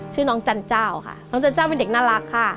ชื่อน้องจันเจ้าค่ะน้องจันเจ้าเป็นเด็กน่ารักค่ะ